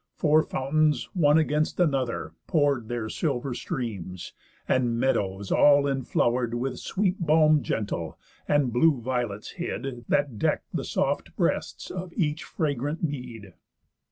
Four fountains, one against another, pour'd Their silver streams; and meadows all enflower'd With sweet balm gentle, and blue violets hid, That deck'd the soft breasts of each fragrant mead.